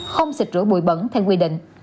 không xịt rửa bụi bẩn theo quy định